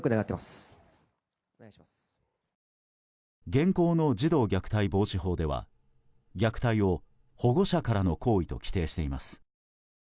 現行の児童虐待防止法では虐待を、保護者からの行為と規定しています。